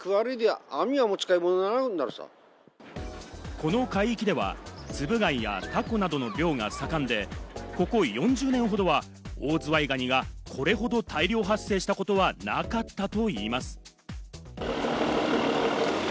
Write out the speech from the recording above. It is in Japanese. この海域ではツブ貝やタコなどの漁が盛んで、ここ４０年ほどは、オオズワイガニがこれほど大量発生したことはなかったといいます。